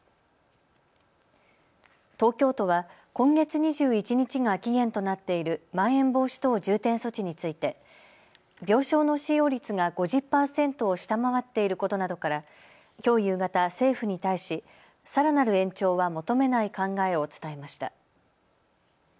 東京都は今月２１日が期限となっているまん延防止等重点措置について病床の使用率が５０％を下回っていることなどからきょう夕方、政府に対しさらなる延長は求めない考えを伝えました。